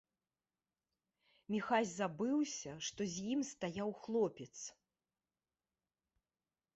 Міхась забыўся, што з ім стаяў хлопец.